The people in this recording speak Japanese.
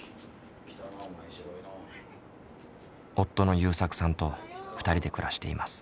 夫のゆうさくさんと２人で暮らしています。